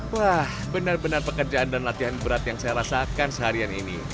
wah benar benar pekerjaan dan latihan berat yang saya rasakan seharian ini